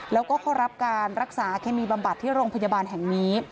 แล้วก็เข้ารับการรักษาเคมีบำบัดที่โรงพยาบาลแห่งนี้